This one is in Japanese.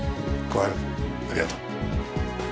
小春ありがとう。